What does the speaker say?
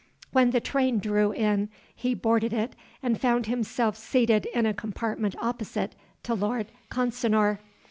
When the train drew in he boarded it and found himself seated in a compartment opposite to Lord Consinor.